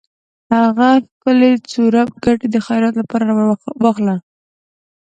ښه ښکلے څورب کټے د خيرات لپاره واخله۔